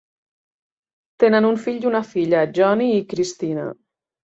Tenen un fill i una filla, Johnny i Christina.